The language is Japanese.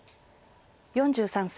４３歳。